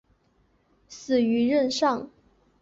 死于任上。